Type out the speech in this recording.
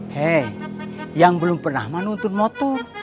hei yang belum pernah mah nuntun motor